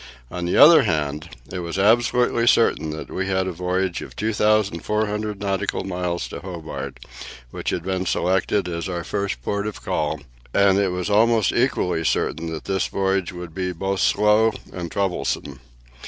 On the other hand, it was absolutely certain that we had a voyage of 2,400 nautical miles to Hobart, which had been selected as our first port of call; and it was almost equally certain that this voyage would be both slow and troublesome.